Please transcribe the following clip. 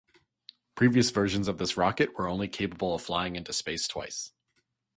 Previous versions of this rocket were only capable of flying into space twice.